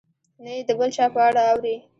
نه یې د بل چا په اړه اوري.